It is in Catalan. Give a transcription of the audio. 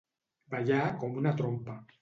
Ballar com una trompa.